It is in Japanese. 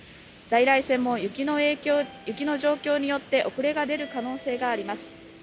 在来線も雪の状況によって遅れが出る可能性があります。